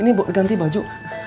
ini buat ganti baju